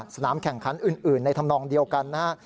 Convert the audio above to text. สนามแข่งคันอื่นในทำนองเดียวกัน